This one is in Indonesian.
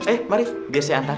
eh mari biar saya antar